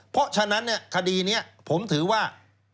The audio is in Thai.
เพราะฉะนั้นคดีนี้ผมถือว่า